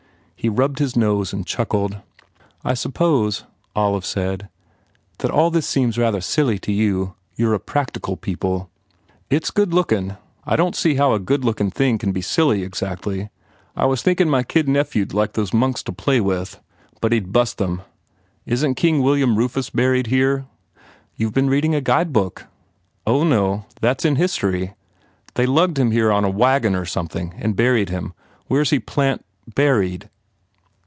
He rubbed his nose and chuckled. 32 HE PROGRESSES "I suppose," Olive said, "that all this seems rather silly to you. You re a practical people." "It s good lookin . I don t see how a good lookin thing can be silly, exactly. I was thinkin my kid nephew d like those monks to play with. But he d bust them. Isn t King William Rufus buried here?" "You ve been reading a guide book!" u Oh, no. That s in history. They lugged him here on a wagon or something and buried him. Where s he plant buried?"